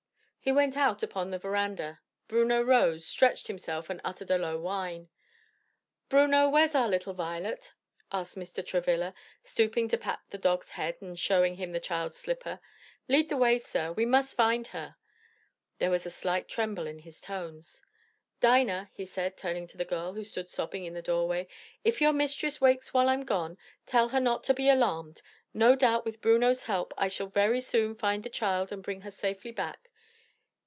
He went out upon the veranda. Bruno rose, stretched himself and uttered a low whine. "Bruno, where is our little Violet?" asked Mr. Travilla, stooping to pat the dog's head and showing him the child's slipper, "lead the way, sir; we must find her." There was a slight tremble in his tones. "Dinah," he said, turning to the girl, who stood sobbing in the doorway, "if your mistress wakes while I am gone, tell her not to be alarmed; no doubt with Bruno's help I shall very soon find the child and bring her safely back.